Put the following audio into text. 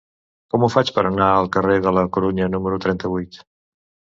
Com ho faig per anar al carrer de la Corunya número trenta-vuit?